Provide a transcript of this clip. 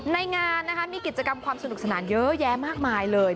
ในงานนะคะมีกิจกรรมความสนุกสนานเยอะแยะมากมายเลย